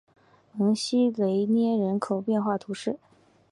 蒙西雷涅人口变化图示